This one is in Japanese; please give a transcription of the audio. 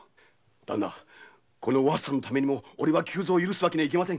旦那お初さんのためにも俺は久蔵を許すわけにはいきません。